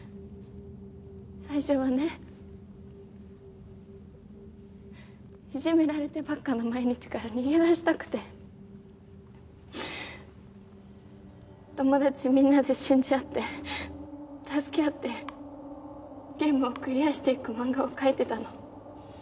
最初はねいじめられてばっかの毎日から逃げ出したくて友達みんなで信じ合って助け合ってゲームをクリアしていく漫画を描いてたの。